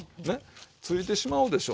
ついてしまうでしょ。